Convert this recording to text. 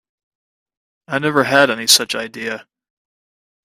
I never had any such idea.